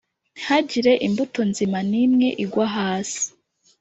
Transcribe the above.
ntihagire imbuto nzima n’imwe igwa hasi.